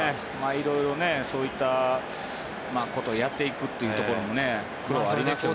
色々、そういったことをやっていくというところもありますよね。